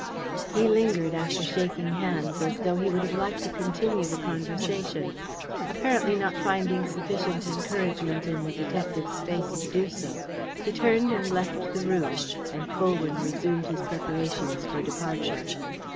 He lingered after shaking hands, as though he would have liked to continue the conversation. Apparently not finding sufficient encouragement in the detective's face to do so, he turned and left the room, and Colwyn resumed his preparations for departure.